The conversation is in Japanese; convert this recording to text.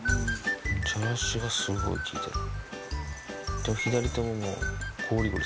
じゃらしがすごい効いてるな。